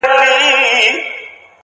خپـه به دا وي كــه شـــيرين نه ســمــه’